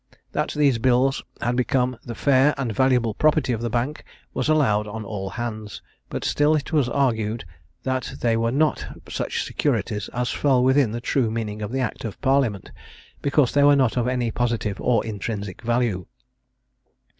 That these bills had become the fair and valuable property of the Bank was allowed on all hands; but still it was argued that they were not such securities as fell within the true meaning of the Act of Parliament, because they were not of any positive or intrinsic value.